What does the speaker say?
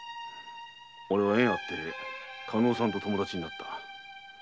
俺は縁あって加納さんと友達になった。